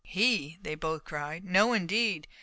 "He!" they both cried. "No, indeed!